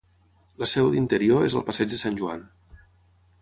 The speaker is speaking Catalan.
La seu d'Interior és al passeig de Sant Joan.